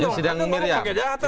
ini persidangan miriam